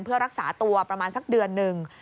เพื่อรักษาตัวประมาณสักเดือนหนึ่ง